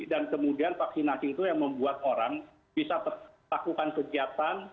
dan kemudian vaksinasi itu yang membuat orang bisa melakukan kegiatan